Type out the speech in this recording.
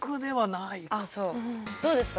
どうですか？